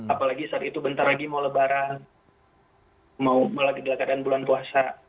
apalagi saat itu bentar lagi mau lebaran mau lagi ke dalam keadaan bulan puasa